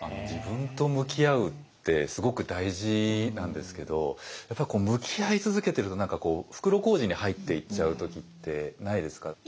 自分と向き合うってすごく大事なんですけどやっぱ向き合い続けてると何かこう袋小路に入っていっちゃう時ってないですか？